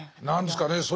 何ですかね